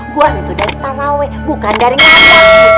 gue nentu dari tarawe bukan dari ngayap